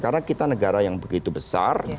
karena kita negara yang begitu besar